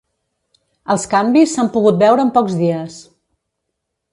Els canvis s’han pogut veure en pocs dies.